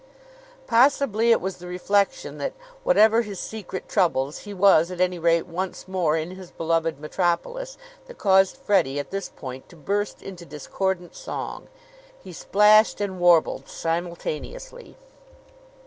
Possibly it was the reflection that, whatever his secret troubles, he was at any rate once more in his beloved metropolis that caused Freddie at this point to burst into discordant song. He splashed and warbled simultaneously.